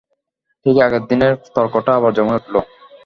ঠিক আগের দিনের তর্কটা আবার জমে উঠল।